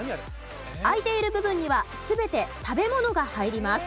空いている部分には全て食べ物が入ります。